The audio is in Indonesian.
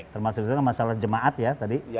termasuk itu kan masalah jemaat ya tadi